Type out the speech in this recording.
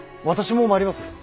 私も参ります。